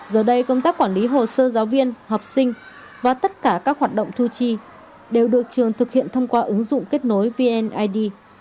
giờ đây công tác quản lý hồ sơ giáo viên học sinh và tất cả các hoạt động thu chi đều được trường thực hiện thông qua ứng dụng kết nối vneid